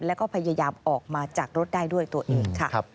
แล้วก็พยายามออกมาจากรถได้ด้วยตัวเองค่ะ